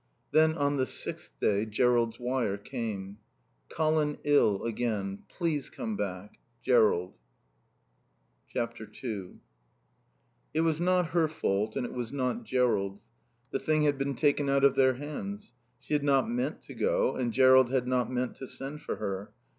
Then on the sixth day Jerrold's wire came: "Colin ill again. Please come back. Jerrold." ii It was not her fault and it was not Jerrold's. The thing had been taken out of their hands. She had not meant to go and Jerrold had not meant to send for her.